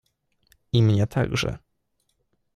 I mnie także.